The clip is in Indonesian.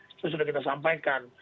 itu sudah kita sampaikan